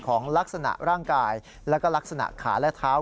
ของลักษณะร่างกายแล้วก็ลักษณะขาและเท้า